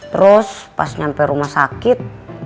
terus pas sampai rumah sakit